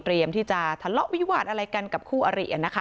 ที่จะทะเลาะวิวาสอะไรกันกับคู่อริ